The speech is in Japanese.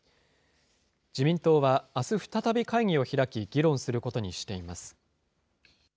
自民党は、あす再び会議を開き、議論することにしています。